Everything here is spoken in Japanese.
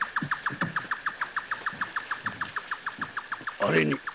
あれに。